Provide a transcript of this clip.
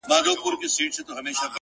ته مي کله هېره کړې يې.